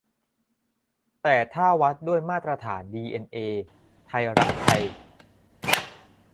แต่ถ้าวัดด้วยมาตรฐานดีเอ็นเอไทยรักไทย